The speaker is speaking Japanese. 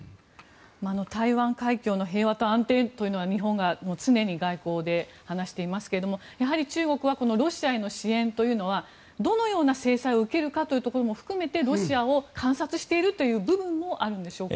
台湾海峡の平和と安定というのは日本が常に外交で話していますが中国はロシアへの支援というのはどのような制裁を受けるかも含めてロシアを観察しているという部分もあるんでしょうか。